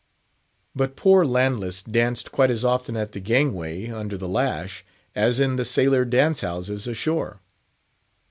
But poor Landless danced quite as often at the gangway, under the lash, as in the sailor dance houses ashore.